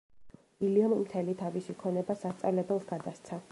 ილიამ მთელი თავისი ქონება სასწავლებელს გადასცა.